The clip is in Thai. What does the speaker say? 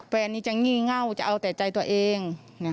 แฟนนี้จะงี่เง่าจะเอาแต่ใจตัวเอง